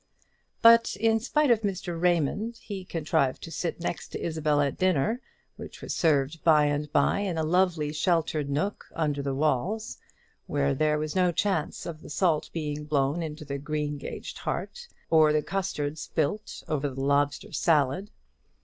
But, in spite of Mr. Raymond, he contrived to sit next Isabel at dinner, which was served by and by in a lovely sheltered nook under the walls, where there was no chance of the salt being blown into the greengage tart, or the custard spilt over the lobster salad.